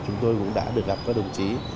chúng tôi cũng đã được gặp các đồng chí